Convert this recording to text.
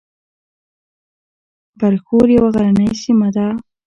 برښور یوه غرنۍ سیمه ده